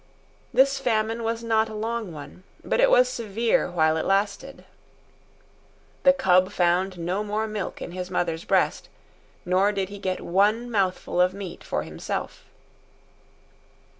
This famine was not a long one, but it was severe while it lasted. The cub found no more milk in his mother's breast, nor did he get one mouthful of meat for himself.